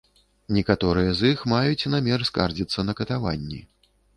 Некаторыя з іх маюць намер скардзіцца на катаванні.